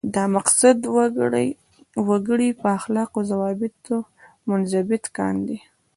دا مقصد وګړي په اخلاقي ضوابطو منضبط کاندي.